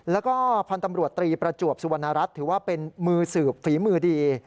แล้วก็พันธุ์ตำรวจตรีประจวบสุวรรณรัฐถือว่าเป็นมือสืบฝีมือดี